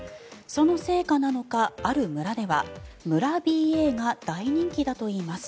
その成果なのか、ある村では村ＢＡが大人気だといいます。